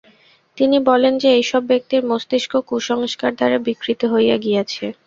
তিনি বলেন যে, এইসব ব্যক্তির মস্তিষ্ক কুসংস্কার দ্বারা বিকৃত হইয়া গিয়াছে।